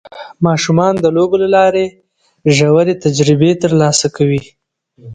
ماشومان د لوبو له لارې ژورې تجربې ترلاسه کوي